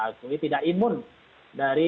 akui tidak imun dari